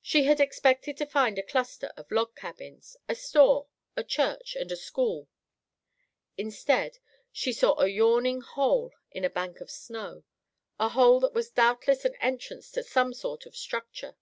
She had expected to find a cluster of log cabins; a store, a church and a school. Instead, she saw a yawning hole in a bank of snow; a hole that was doubtless an entrance to some sort of structure.